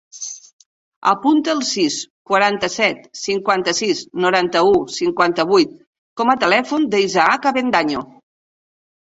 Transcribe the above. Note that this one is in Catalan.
Apunta el sis, quaranta-set, cinquanta-sis, noranta-u, cinquanta-vuit com a telèfon de l'Isaac Avendaño.